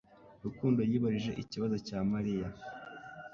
Rukundo yibajije ikibazo cya Mariya.